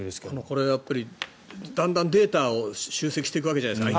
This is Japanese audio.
これやっぱりだんだんデータを集積していくわけじゃないですか